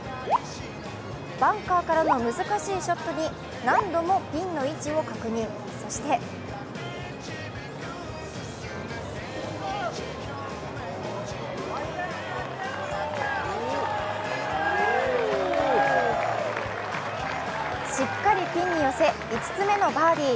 バンカーからの難しいショットに何度もピンの位置を確認そしてしっかりピンに寄せ５つ目のバーディー。